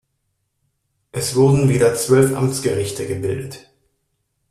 Es wurden wieder zwölf Amtsgerichte gebildet.